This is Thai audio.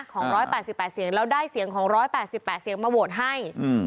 ของ๑๘๘เสียงแล้วได้เสียงของ๑๘๘เสียงมาโหวตให้